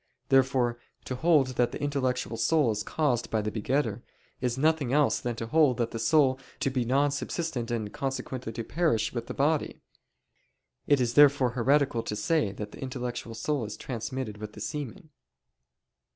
Therefore to hold that the intellectual soul is caused by the begetter, is nothing else than to hold the soul to be non subsistent and consequently to perish with the body. It is therefore heretical to say that the intellectual soul is transmitted with the semen.